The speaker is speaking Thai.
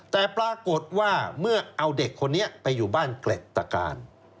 แต่ปรากฏว่าเมื่อเอาเด็กคนนี้ไปอยู่บ้านเกร็ดตะการ